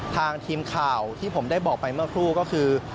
ทางทีมข่าวที่ผมได้บอกไปเมื่อครู่ก็คือ